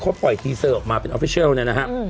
เขาปล่อยทีเซอร์ออกมาเป็นออฟฟิเชียลเนี่ยนะฮะ